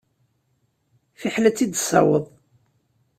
Fiḥel ad tt-id-tessawweḍ.